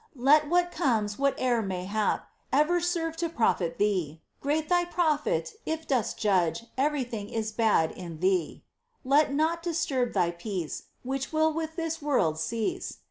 Let what comes, whate'er may hap, Ever serve to profit thee : Great thy profit if dost judge Everything is bad in thee ! Let naught disturb thy peace Which will with this world cease.